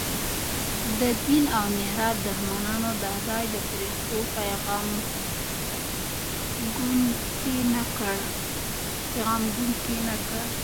د دین او محراب دښمنانو د خدای د فرښتو پیغام ګونګی نه کړ.